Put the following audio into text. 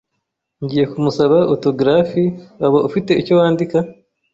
Ngiye kumusaba autografi. Waba ufite icyo wandika?